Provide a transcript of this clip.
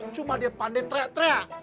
cuma dia pandai tereak tereak